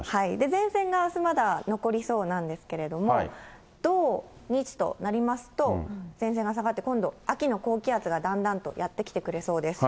前線があす、まだ残りそうなんですけれども、土、日となりますと、前線が下がって今度秋の高気圧がだんだんとやって来てくれそうです。